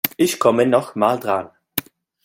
Ich komme noch mal dran.